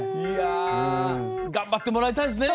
頑張ってもらいたいですね